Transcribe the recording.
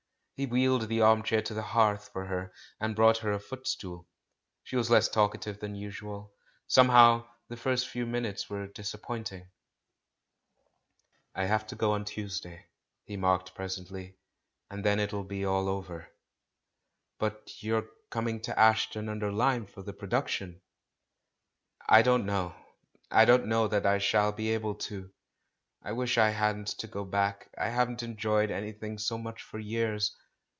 He wheeled the armchair to the hearth for her, and brought her a footstool. She was less talkative than usual. Somehow the first few minutes were disappointing. THE CALL FROM THE PAST 409 "I have to go on Tuesday," he marked pres ently; "and then it'll be all over." "But you're coming to Ashton under Lyne for the production?" "I don't know; I don't know that I shall be able to. I wish I hadn't to go back — I haven't enjoyed anything so much for years.